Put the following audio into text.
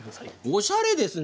おしゃれですね。